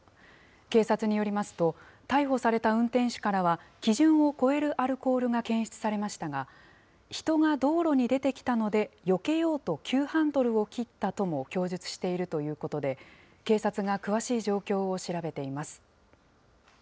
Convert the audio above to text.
警察によりますと、逮捕された運転手からは基準を超えるアルコールが検出されましたが、人が道路に出てきたので、よけようと急ハンドルを切ったとも供述しているということで、警察が詳しい状況を調べています。